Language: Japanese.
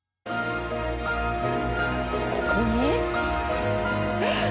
ここに？